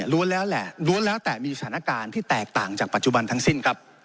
ล้วนแล้วแต่มีสถานการณ์ที่แตกต่างจากปัจจุบันทั้งสิ้น